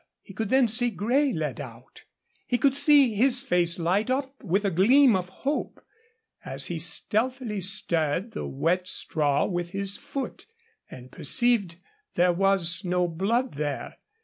He could then see Grey led out, he could see his face light up with a gleam of hope, as he stealthily stirred the wet straw with his foot and perceived there was no blood there.